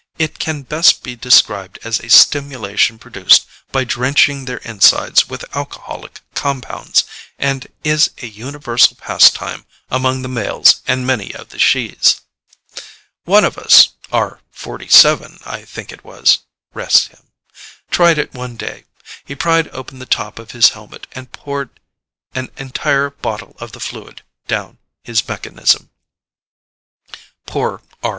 It can best be described as a stimulation produced by drenching their insides with alcoholic compounds, and is a universal pastime among the males and many of the shes. One of us R 47, I think it was (rest him) tried it one day. He pried open the top of his helmet and pouted an entire bottle of the fluid down his mechanism. Poor R 47.